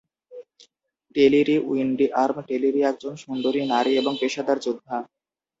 টেলিরি উইন্ডিআর্ম - টেলিরি একজন সুন্দরী নারী এবং পেশাদার যোদ্ধা।